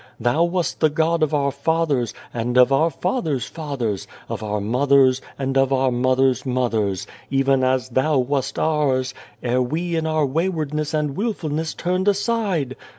Thou wast the God of our fathers, and of our fathers' fathers, of our mothers, and of our mothers' mothers, even as Thou wast ours, ere we in our waywardness and wilfulness turned aside.